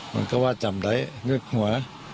มันก็ว่าจำได้งึกหัว